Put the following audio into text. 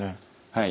はい。